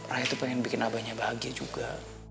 raya tuh pengen bikin abahnya bahagia juga